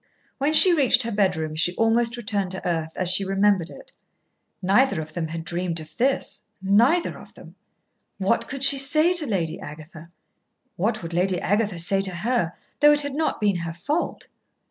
When she reached her bedroom she almost returned to earth as she remembered it. Neither of them had dreamed of this neither of them. What could she say to Lady Agatha? What would Lady Agatha say to her, though it had not been her fault?